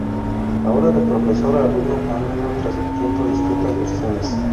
Ahora de profesor a alumno han ido transmitiendo distintas versiones.